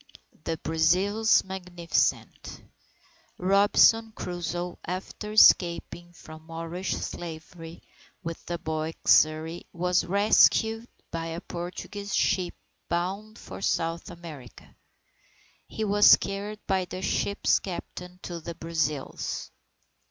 THE BRAZILS MAGNIFICENT Robinson Crusoe, after escaping from Moorish slavery with the boy Xury, was rescued by a Portuguese ship bound for South America. He was carried by the ship's captain to the Brazils.